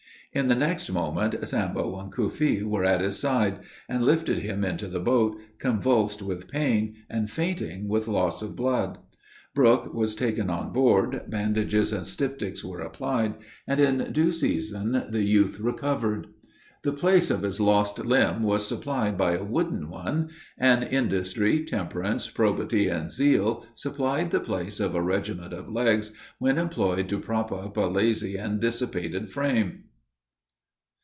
In the next moment, Sambo and Cuffee were at his side; and lifted him into the boat, convulsed with pain, and fainting with loss of blood. Brook was taken on board, bandages and styptics were applied, and in due season the youth recovered. The place of his lost limb was supplied by a wooden one; and industry, temperance, probity, and zeal, supplied the place of a regiment of legs, when employed to prop up a lazy and dissipated frame.